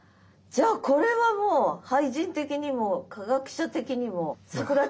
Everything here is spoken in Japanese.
じゃあこれはもう俳人的にも科学者的にも咲楽ちゃん的にも。